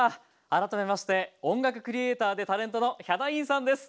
改めまして音楽クリエーターでタレントのヒャダインさんです。